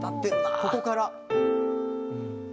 ここから。